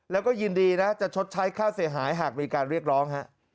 แล้วก็ยินดีนะจะชดใช้ค่าเสียหายหากมีการเรียกร้องฮะ